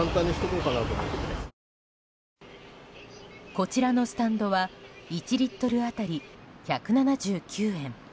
こちらのスタンドは１リットル当たり１７９円。